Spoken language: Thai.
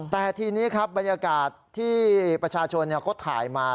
แต่ทีนี้ครับบรรยากาศที่ประชาชนเขาถ่ายมา